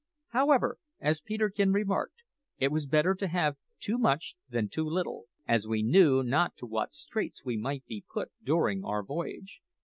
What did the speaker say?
However, as Peterkin remarked, it was better to have too much than too little, as we knew not to what straits we might be put during our voyage.